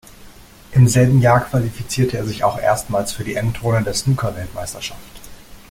Im selben Jahr qualifizierte er sich auch erstmals für die Endrunde der Snookerweltmeisterschaft.